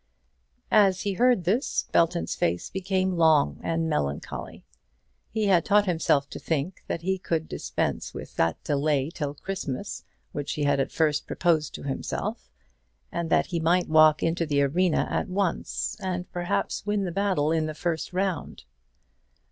As he heard this, Belton's face became long and melancholy. He had taught himself to think that he could dispense with that delay till Christmas which he had at first proposed to himself, and that he might walk into the arena at once, and perhaps win the battle in the first round.